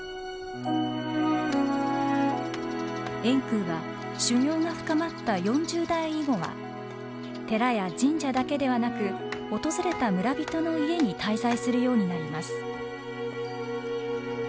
円空は修行が深まった４０代以後は寺や神社だけではなく訪れた村人の家に滞在するようになります。